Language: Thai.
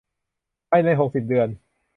ภายใน หกสิบ เดือน